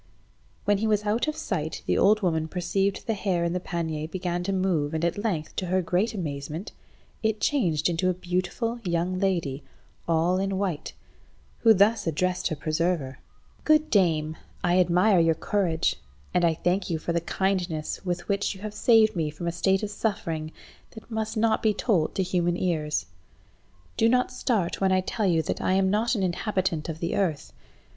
When he was out of sight the old woman perceived the hare in the pannier began to move, and at length, to her great amazement, it changed into a beautiful young lady, all in white, who thus addressed her preserver— "Good dame, I admire your courage, and I thank you for the kindness with which you have saved me from a state of suffering that must not be told to human ears. Do not start when I tell you that I am not an inhabitant of the earth.